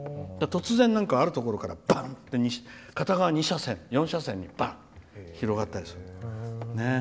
突然、あるところから片側２車線、４車線にバンって広がったりする。